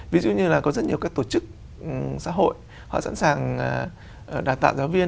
ví dụ như là có rất nhiều các tổ chức xã hội họ sẵn sàng đào tạo giáo viên